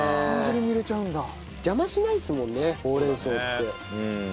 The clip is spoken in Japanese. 邪魔しないっすもんねほうれん草って。